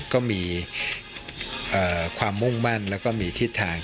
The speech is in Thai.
ก็มีความมุ่งมั่นแล้วก็มีทิศทาง